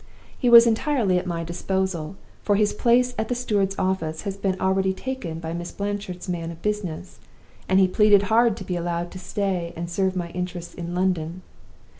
He was entirely at my disposal, for his place at the steward's office has been already taken by Miss Blanchard's man of business, and he pleaded hard to be allowed to stay and serve my interests in London.